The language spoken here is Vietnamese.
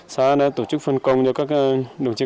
xã đã tổ chức phân công cho các đồng chí